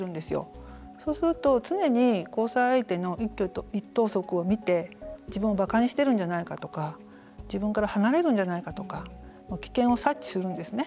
そうすると常に交際相手の一挙手一投足を見て自分をバカしてるんじゃないかとか自分から離れるんじゃないかとか危険を察知するんですね。